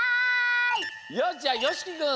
よしじゃあよしきくん！